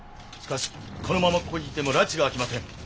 しかしこのままここにいてもらちがあきません。